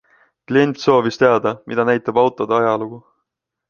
Klient soovis teada, mida näitab autode ajalugu.